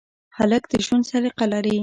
هلک د ژوند سلیقه لري.